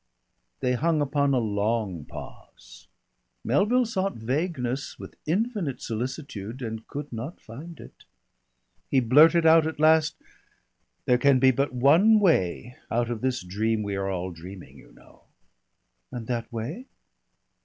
They hung upon a long pause. Melville sought vagueness with infinite solicitude, and could not find it. He blurted out at last: "There can be but one way out of this dream we are all dreaming, you know." "And that way?"